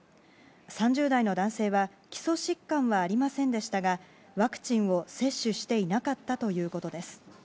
３０代の男性は基礎疾患はありませんでしたがワクチンを接種していなかったということです。